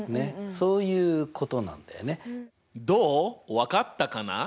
分かったかな？